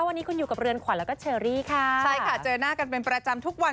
วันนี้คุณอยู่กับเรือนขวัญแล้วก็เชอรี่ค่ะใช่ค่ะเจอหน้ากันเป็นประจำทุกวัน